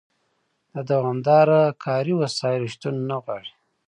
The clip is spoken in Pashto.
د دوامداره کاري وسایلو شتون نه غواړي.